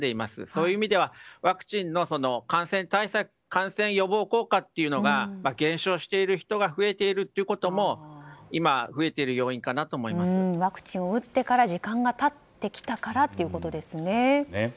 そういう意味では、ワクチンの感染予防効果というのが減少している人が増えているということも今、増えている要因かなとワクチンを打ってから時間が経ってきたからということですね。